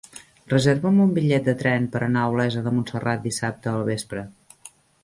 Reserva'm un bitllet de tren per anar a Olesa de Montserrat dissabte al vespre.